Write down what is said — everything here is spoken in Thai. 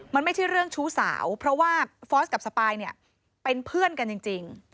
มันไม่ใช่เรื่องชู้สาวเพราะว่าฟอร์สกับสปายเนี่ยเป็นเพื่อนกันจริง